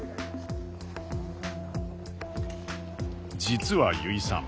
実は油井さん